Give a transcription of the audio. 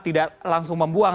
tidak langsung membuang